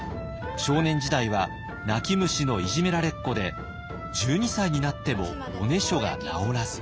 少年時代は泣き虫のいじめられっ子で１２歳になってもおねしょが治らず。